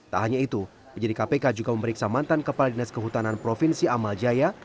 tak hanya itu penyidik kpk juga memeriksa mantan kepala dinas kehutanan provinsi amal jaya